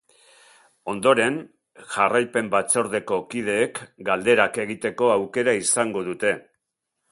Ondoren, jarraipen batzordeko kideek galderak egiteko aukera izango dute.